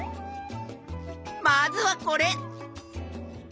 まずはこれ！